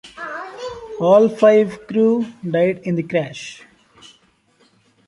All five crew died in the crash.